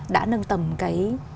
đã nâng tầm cái